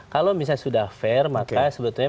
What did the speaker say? kalau misalnya sudah fair maka sebetulnya